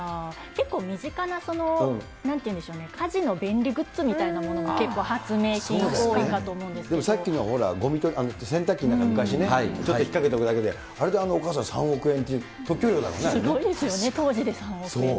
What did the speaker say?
結構、身近な、なんていうんでしょうね、家事の便利グッズみたいなものが、結構発明品多いかと思うんですけでもさっきの、ごみ取りの洗濯機なんか、昔ね、ちょっと引っ掛けておくだけで、あれでお母さん、３億円って、すごいですよね、当時で３億そう。